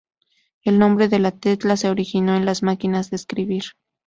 El nombre de la tecla se originó en las máquinas de escribir.